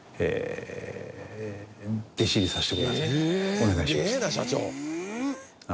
お願いしました。